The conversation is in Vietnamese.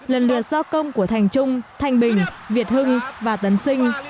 lần lượt do công của thành trung thanh bình việt hưng và tấn sinh